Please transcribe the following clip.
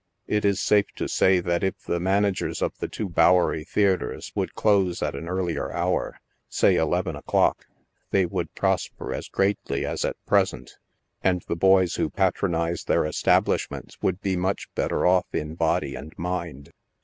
It is safe to say that if the managers of the two Bowery Theatres would close at an earlier hour, say eleven o'clock, they would prosper as greatly as at present, and the boys who patronize their establishments would be much better off in body and mind.